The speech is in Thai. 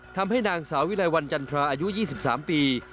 ทำให้นางสาววิลัยวันจันทราอายุ๒๓ปี